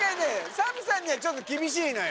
ＳＡＭさんにはちょっと厳しいのよ